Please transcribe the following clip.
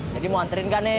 jadi mau anterin kan nih